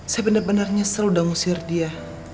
saya benar benarnya seru udah ngusir dia